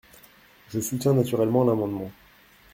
Je soutiens naturellement l’amendement.